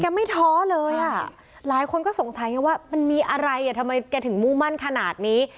ไม่ท้อเลยอ่ะหลายคนก็สงสัยไงว่ามันมีอะไรอ่ะทำไมแกถึงมุ่งมั่นขนาดนี้